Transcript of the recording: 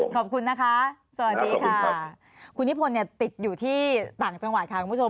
ครับผมสวัสดีค่ะคุณญี่ปนเนี่ยติดอยู่ที่ต่างจังหวัดค่ะคุณผู้ชม